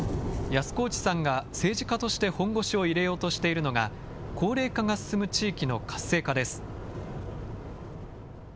安河内さんが政治家として本腰を入れようとしているのが、高齢化が進む地域の活性化です。